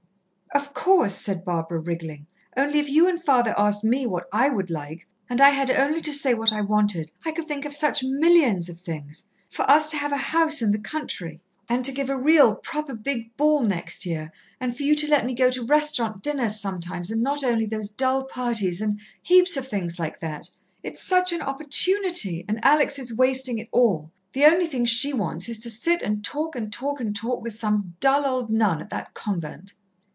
"Of course," said Barbara, wriggling. "Only if you and father asked me what I would like, and I had only to say what I wanted, I could think of such millions of things for us to have a house in the country, and to give a real, proper big ball next year, and for you to let me go to restaurant dinners sometimes, and not only those dull parties and heaps of things like that. It's such an opportunity, and Alex is wasting it all! The only thing she wants is to sit and talk and talk and talk with some dull old nun at that convent!"